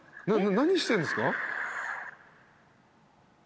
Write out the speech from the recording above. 何してんですか？